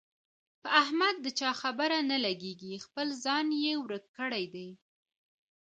په احمد د چا خبره نه لګېږي، خپل ځان یې ورک کړی دی.